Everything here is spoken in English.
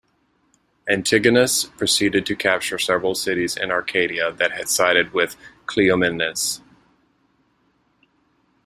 Antigonus proceeded to capture several cities in Arcadia that had sided with Cleomenes.